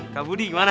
kak budi gimana